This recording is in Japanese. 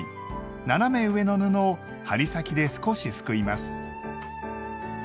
斜め上の布を針先で少しすくいます。